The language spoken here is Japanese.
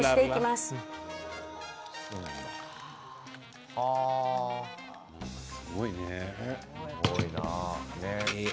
すごいね。